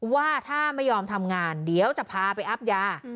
ว่าถ้าไม่ยอมทำงานเดี๋ยวจะพาไปอับยา